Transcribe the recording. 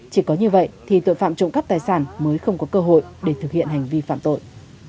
chỉ có như vậy thì tội phạm trộm cắp tài sản mới không có cơ hội để thực hiện hành vi phạm tội